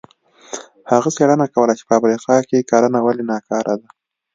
هغه څېړنه کوله چې په افریقا کې کرنه ولې ناکاره ده.